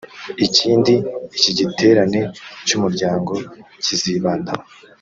Ikindi iki giterane cy’umuryango kizibandaho